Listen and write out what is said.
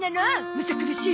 むさ苦しい！